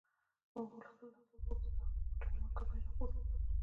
ما خپل لاس ور اوږد کړ او په ګوتو مې مکروني راپورته کړل.